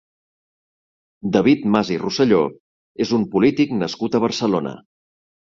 David Mas i Roselló és un polític nascut a Barcelona.